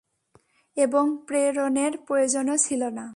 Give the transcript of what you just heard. এবং প্রেরণের প্রয়োজনও ছিল না।